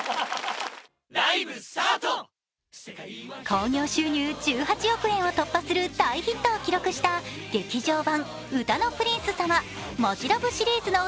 興行収入１８億円を突破する大ヒットを記録した「劇場版うたの☆